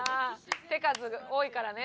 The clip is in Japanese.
手数多いからね。